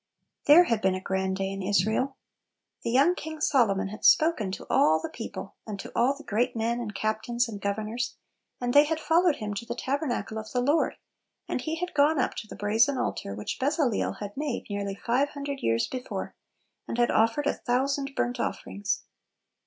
HPHERE had been a grand day in 1 Israel The young King Solo mon had spoken to all the people, and to all the great men and captains and governors, and they had followed him to the tabernacle of the Lord, and he had gone up to the brazen altar which Bezaleel had made nearly five hundred years before, and had offered a thousand bumt oflferings.